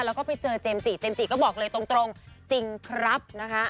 แล้วก็ไปเจอเจมส์จิเจมสจิก็บอกเลยตรงจริงครับนะคะ